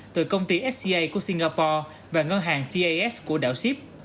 từ công ty sca của singapore và ngân hàng tas của singapore